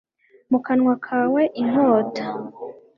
mu kanwa kawe, inkota